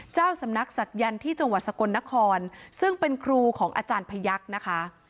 เจ้าสำนักศักยันต์ที่จังหวัดสกลนครซึ่งเป็นครูของอาจารย์พยักษ์นะคะ